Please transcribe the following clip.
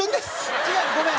蛍原：違う、ごめん。